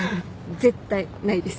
絶対ないです。